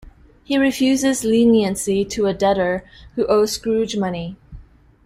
He refuses leniency to a debtor who owes Scrooge money.